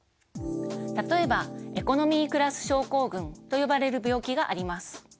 例えばエコノミークラス症候群と呼ばれる病気があります。